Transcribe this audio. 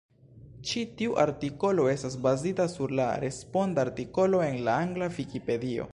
Ĉi tiu artikolo estas bazita sur la responda artikolo en la angla Vikipedio.